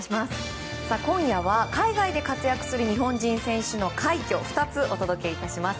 今夜は海外で活躍する日本人選手の快挙を２つお届けいたします。